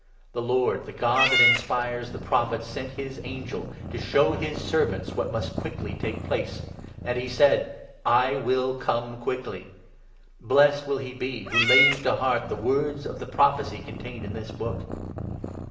The Lord, the God that inspires the Prophets, sent his angel to show his servants what must quickly take place ; and he said " I will come quickly." Blessed will he 7 be who lays to heart the words of the prophecy contained in this book.'